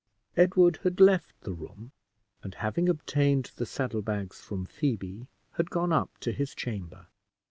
Edward had left the room, and having obtained the saddlebags from Phoebe had gone up to his chamber.